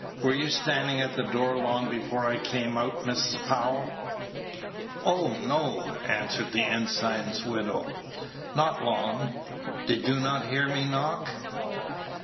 "Were you standing at the door long before I came out, Mrs. Powell?" "Oh, no," answered the ensign's widow, "not long. Did you not hear me knock?"